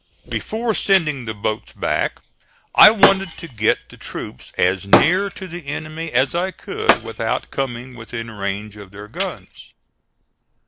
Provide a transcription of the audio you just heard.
Before sending the boats back I wanted to get the troops as near to the enemy as I could without coming within range of their guns.